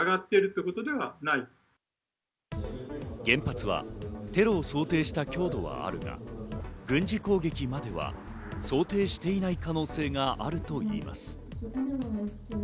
原発はテロを想定した強度はあるが、軍事攻撃までは想定していないとの可能性があるといいます。